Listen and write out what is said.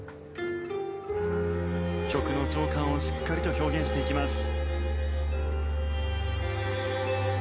曲の情感をしっかりと表現していきます。